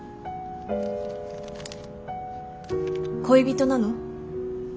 恋人なの？